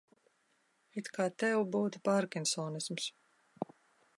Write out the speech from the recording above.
It kā tev būtu pārkinsonisms.